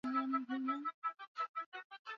ambayo ilikuwa inashuhudiwa nchini humo